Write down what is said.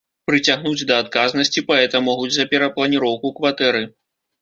Прыцягнуць да адказнасці паэта могуць за перапланіроўку кватэры.